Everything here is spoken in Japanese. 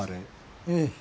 ええ。